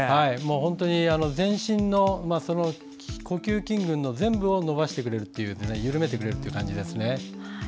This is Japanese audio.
本当に全身の呼吸筋群の全部を伸ばしてくれる緩めてくれる感じですね。